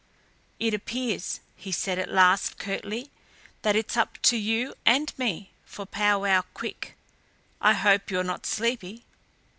"It appears," he said at last, curtly, "that it's up to you and me for powwow quick. I hope you're not sleepy."